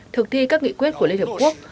thực thi các nghị quyết của liên hiệp quốc